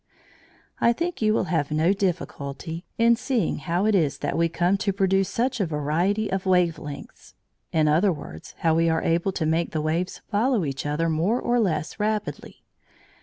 I think you will have no difficulty in seeing how it is that we come to produce such a variety of wave lengths in other words, how we are able to make the waves follow each other more or less rapidly.